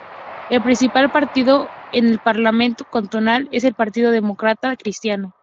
El principal partido en el parlamento cantonal es el Partido Demócrata Cristiano.